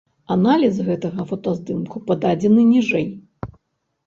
Аналіз гэтага фотаздымку пададзены ніжэй.